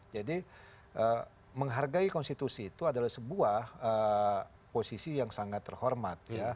jadi menghargai konstitusi itu adalah sebuah posisi yang sangat terhormat ya